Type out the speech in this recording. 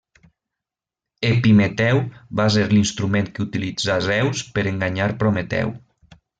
Epimeteu va ser l'instrument que utilitzà Zeus per enganyar Prometeu.